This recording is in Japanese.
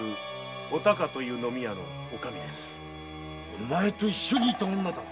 お前と一緒にいた女だな？